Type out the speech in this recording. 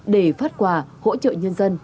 để phát quà hỗ trợ nhân dân